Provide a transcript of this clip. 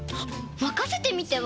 まかせてみては？